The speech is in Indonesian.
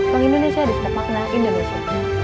bank indonesia di setiap makna indonesia